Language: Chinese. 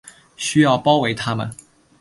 需要包围他们